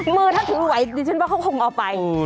มือถ้าถือไหวดิฉันว่าเขาคงเอาไป